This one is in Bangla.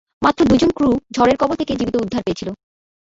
মাত্র দুইজন ক্রু ঝড়ের কবল থেকে জীবিত উদ্ধার পেয়েছিল।